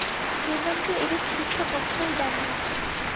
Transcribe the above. বেদান্ত এরূপ শিক্ষা কখনই দেন না।